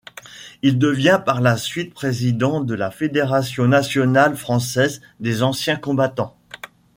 Il devient par la suite président de la Fédération nationale française des anciens combattants.